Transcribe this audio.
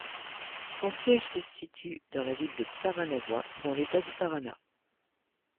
Son siège se situe dans la ville de Paranaguá, dans l'État du Paraná.